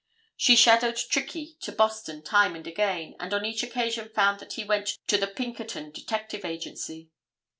She shadowed Trickey to Boston time and again, and on each occasion found that he went to the Pinkerton Detective Agency.